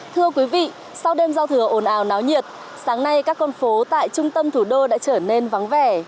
thưa quý vị sau đêm giao thừa ồn ào náo nhiệt sáng nay các con phố tại trung tâm thủ đô đã trở nên vắng vẻ